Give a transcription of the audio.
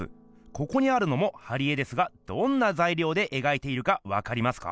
ここにあるのも貼り絵ですがどんなざいりょうでえがいているかわかりますか？